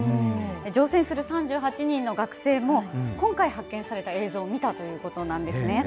乗船する３８人の学生も、今回発見された映像を見たということなんですね。